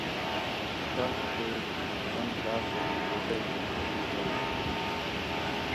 اسپہ ہتے دُݰمنان کار کوری ریتانی کی ہیت اِسپہ ملگیری